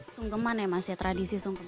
sunggeman ya mas ya tradisi sungkeman